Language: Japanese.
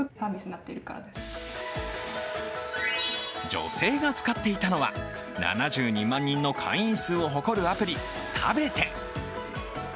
女性が使っていたのは７２万人の会員数を誇るアプリＴＡＢＥＴＥ。